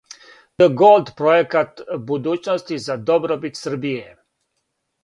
ДГолд пројекат будућности за добробит Србије!